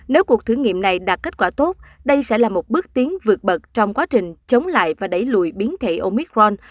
nếu cuộc thử nghiệm này đạt kết quả tốt đây sẽ là một bước tiến vượt bậc trong quá trình chống lại và đẩy lùi biến thể omicron